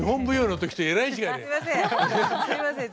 あっすいません。